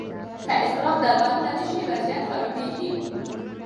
که اضطراب درملنه ونه شي، وضعیت خرابېږي.